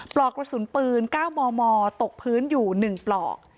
ปลอกกระสุนปืน๙มมตกพื้นอยู่๑ปลอก